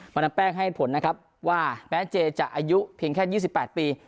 ดามแป้งให้ผลนะครับว่าแม้เจจะอายุเพียงแค่๒๘ปี